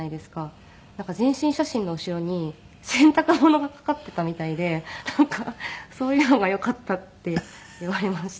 なんか全身写真の後ろに洗濯物が掛かっていたみたいでなんかそういうのが良かったって言われました。